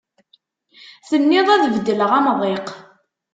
Tenniḍ ad beddleɣ amḍiq